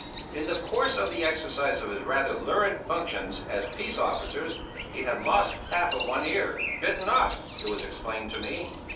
In the course of the exercise of his rather lurid functions as peace officer he had lost half of one ear —" bitten off," it was explained to me.